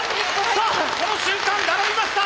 さあこの瞬間並びました！